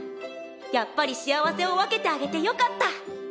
やっぱり幸せを分けてあげてよかった！